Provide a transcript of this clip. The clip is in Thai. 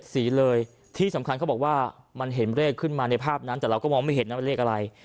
สีเลยที่สำคัญเขาบอกว่ามันเห็นเลขขึ้นมาในภาพนั้นแต่เราก็มองไม่เห็นนะว่าเลขอะไร